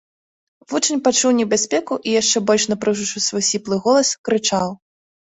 Вучань пачуў небяспеку і, яшчэ больш напружыўшы свой сіплы голас, крычаў: